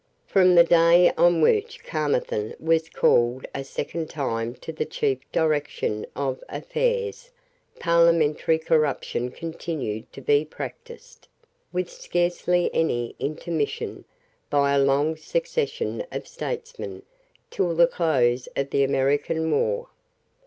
From the day on which Caermarthen was called a second time to the chief direction of affairs, parliamentary corruption continued to be practised, with scarcely any intermission, by a long succession of statesmen, till the close of the American war.